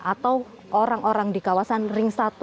atau orang orang di kawasan ring satu